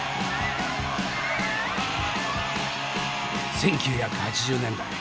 １９８０年代。